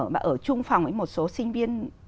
mà ở chung phòng với một số sinh viên